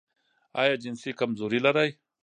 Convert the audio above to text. ایا جنسي کمزوري لرئ؟